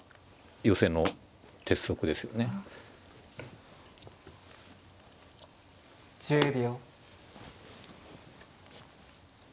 １０秒。